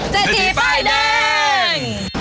เจ็ดทีป้ายแดง